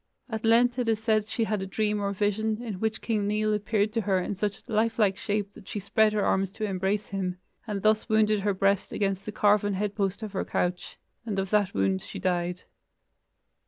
At length it is said she had a dream or vision, in which King Nial appeared to her in such life like shape that she spread her arms to embrace him, and thus wounded her breast against the carven head post of her couch, and of that wound she died.